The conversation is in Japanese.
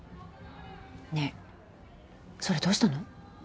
ねえそれどうしたの？